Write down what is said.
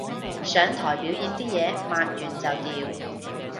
上台表演啲嘢抹完就掉